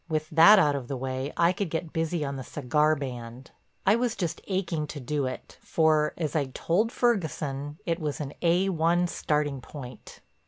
With that out of the way, I could get busy on the cigar band. I was just aching to do it, for, as I'd told Ferguson, it was an A1 starting point.